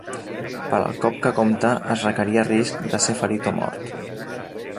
Per al cop que compta es requeria risc de ser ferit o mort.